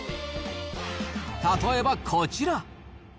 例えばこちら。